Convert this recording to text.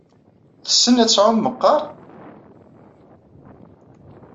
Tessen ad tɛum meqqar?